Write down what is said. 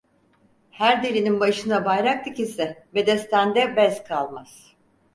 Her delinin başına bayrak dikilse bedestende bez kalmaz.